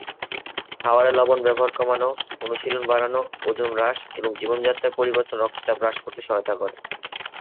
খাবারে লবণের ব্যবহার কমানো, অনুশীলন বাড়ানো, ওজন হ্রাস এবং জীবনযাত্রার পরিবর্তন রক্তচাপ হ্রাস করতে সহায়তা করে।